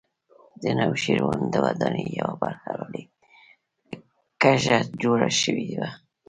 د نوشیروان د ودانۍ یوه برخه ولې کږه جوړه شوې وه.